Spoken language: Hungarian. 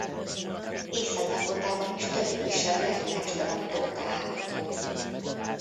Észak-Dakotában is több kisebb lefolyástalan tó található.